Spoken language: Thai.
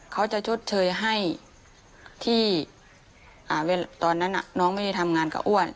ชดเชยให้ที่ตอนนั้นน้องไม่ได้ทำงานกับอ้วน